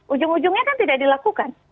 ujung ujungnya kan tidak dilakukan